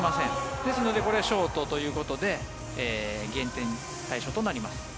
ですので、これはショートということで減点対象となります。